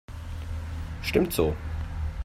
Stimmt so.